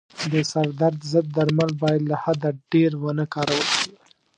د سردرد ضد درمل باید له حده ډېر و نه کارول شي.